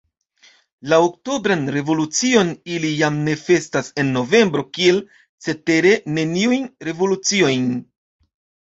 La oktobran revolucion ili jam ne festas en novembro, kiel cetere neniujn revoluciojn.